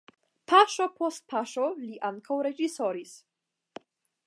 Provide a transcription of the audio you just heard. Paŝo post paŝo li ankaŭ reĝisoris.